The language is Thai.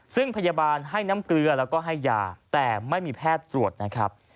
ซึ่งพยาบาลให้น้ำเกลือแล้วก็ให้ยาแต่ไม่มีแพทย์ตรวจนะครับ